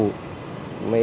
để tìm hiểu